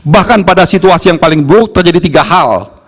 bahkan pada situasi yang paling buruk terjadi tiga hal